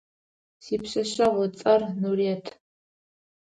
Сипшъэшъэгъу ыцӏэр Нурыет.